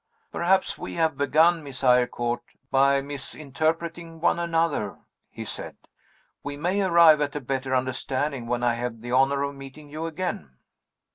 "Perhaps we have begun, Miss Eyrecourt, by misinterpreting one another," he said. "We may arrive at a better understanding when I have the honor of meeting you again."